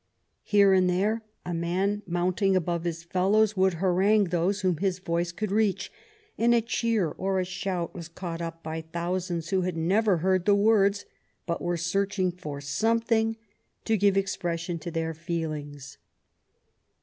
Here and there a man, mounting above his fellows, would harangue those whom his voice could reach, and a cheer or a shout was caught up by thousands who had never heard the words but were searching for something to give expression to their feelings.